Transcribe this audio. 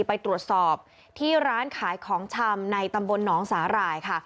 ไปตรวจสอบที่ร้านขายของชำในตำบลหนองสาหร่ายค่ะ